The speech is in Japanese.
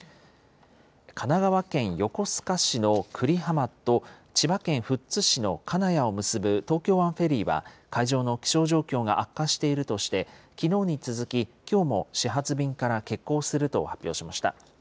神奈川県横須賀市の久里浜と千葉県富津市の金谷を結ぶ東京湾フェリーは、海上の気象状況が悪化しているとして、きのうに続き、きょうも始発便から欠航すると発表しました。